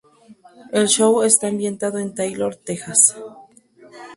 El show está ambientado en Taylor, Texas.